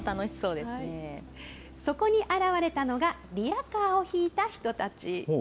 そこに現れたのが、リヤカーをひいた人たち。